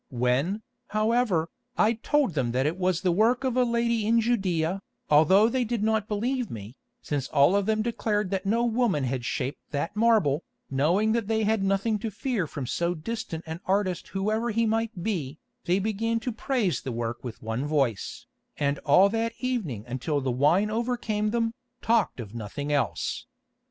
When, however, I told them that it was the work of a lady in Judæa, although they did not believe me, since all of them declared that no woman had shaped that marble, knowing that they had nothing to fear from so distant an artist whoever he might be, they began to praise the work with one voice, and all that evening until the wine overcame them, talked of nothing else.